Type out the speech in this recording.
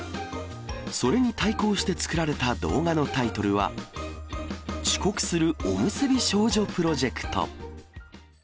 それに対抗して作られた動画のタイトルは、遅刻するおむすび少女プロジェクト。